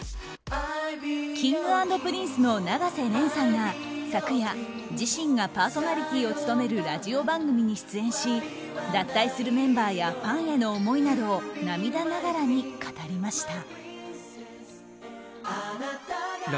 Ｋｉｎｇ＆Ｐｒｉｎｃｅの永瀬廉さんが昨夜自身がパーソナリティーを務めるラジオ番組に出演し脱退するメンバーやファンへの思いなどを涙ながらに語りました。